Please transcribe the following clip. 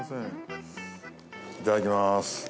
いただきます。